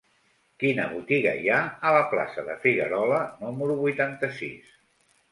Quina botiga hi ha a la plaça de Figuerola número vuitanta-sis?